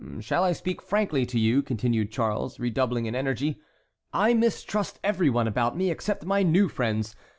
Shall I speak frankly to you?" continued Charles, redoubling in energy. "I mistrust every one about me except my new friends.